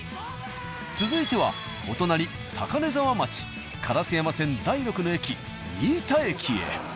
続いてはお隣高根沢町烏山線第６の駅仁井田駅へ。